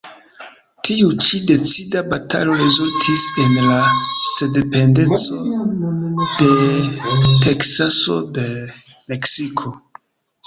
Tiu ĉi decida batalo rezultis en la sendependeco de Teksaso de Meksiko.